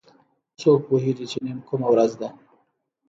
څوک پوهیږي چې نن کومه ورځ ده